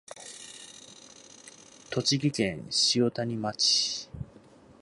栃木県塩谷町